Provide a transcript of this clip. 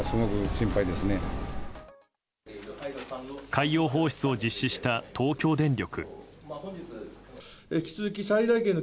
海洋放出を実施した東京電力。